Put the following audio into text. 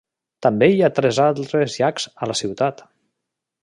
També hi ha tres altres llacs a la ciutat.